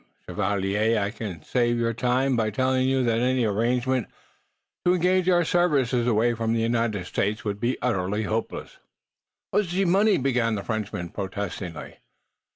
Chevalier, I can save your time by telling you that any arrangement to engage our services away from the United States would be utterly hopeless." "But ze money " began the Frenchman, protestingly.